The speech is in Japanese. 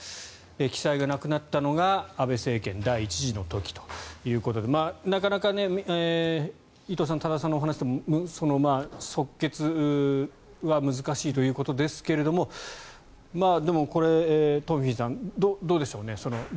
記載がなくなったのが安倍政権第１次の時ということでなかなか伊藤さん、多田さんのお話でも即決は難しいということですがでも、トンフィさんどうでしょうね。